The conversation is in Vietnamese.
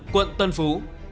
quận tân phú